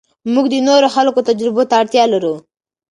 موږ د نورو خلکو تجربو ته اړتیا لرو.